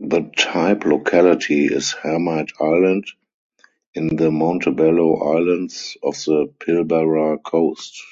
The type locality is Hermite Island in the Montebello Islands off the Pilbara coast.